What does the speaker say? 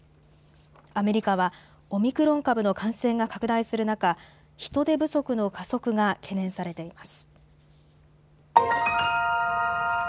アメリカはオミクロン株の感染が拡大する中、人手不足の加速が懸念されています。